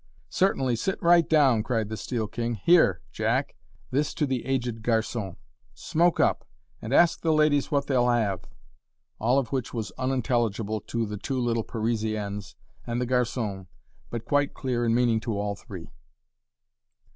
"Certainly, sit right down," cried the Steel King. "Here, Jack," this to the aged garçon, "smoke up! and ask the ladies what they'll have" all of which was unintelligible to the two little Parisiennes and the garçon, but quite clear in meaning to all three.